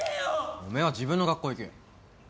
おめえは自分の学校行け。